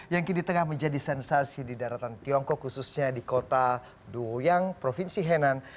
yang kini tengah menjadi sensasi di daratan tiongkok khususnya di kota duoyang provinsi henan